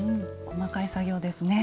細かい作業ですね。